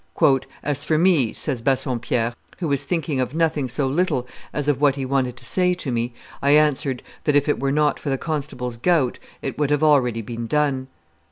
"As for me," says Bassompierre, "who was thinking of nothing so little as of what he wanted to say to me, I answered that, if it were not for the constable's gout, it would have already been done.